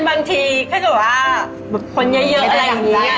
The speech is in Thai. บางทีคือว่าคนเยอะอะไรอย่างนี้